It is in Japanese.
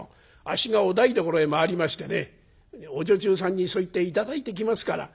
あっしがお台所へ回りましてねお女中さんにそう言って頂いてきますから」。